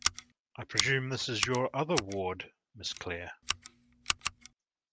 I presume this is your other ward, Miss Clare?